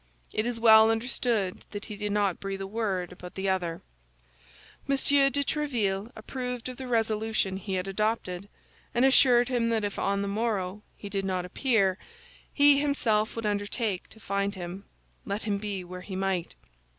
It is well understood that he did not breathe a word about the other. M. de Tréville approved of the resolution he had adopted, and assured him that if on the morrow he did not appear, he himself would undertake to find him, let him be where he might.